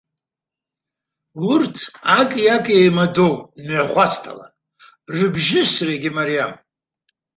Урҭ аки-аки еимадоуп мҩахәасҭала, рыбжьысрагьы мариам.